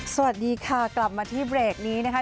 สวัสดีค่ะกลับมาที่เบรกนี้นะคะ